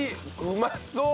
うまそう！